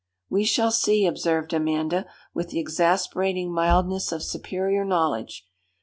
'We shall see,' observed Amanda, with the exasperating mildness of superior knowledge.